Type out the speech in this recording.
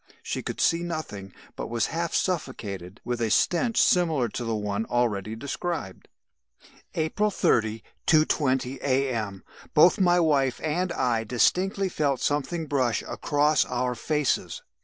She could see nothing, but was half suffocated with a stench similar to the one already described. "April 30, 2.20 A.M. Both my wife and I distinctly felt something brush across our faces.